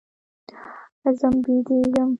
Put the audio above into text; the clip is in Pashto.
ځم بيدېږم.